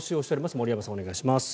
森山さん、お願いします。